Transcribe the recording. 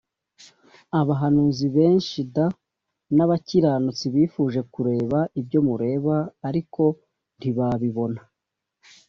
abahanuzi benshi d n abakiranutsi bifuje kureba ibyo mureba ariko ntibabibona